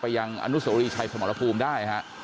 ยังอนุโสรีชัยสมรภูมิได้ฮะ